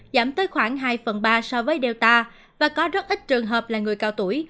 giảm tới khoảng hai phần ba so với delta và có rất ít trường hợp là người cao tuổi